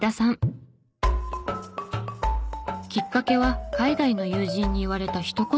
きっかけは海外の友人に言われた一言。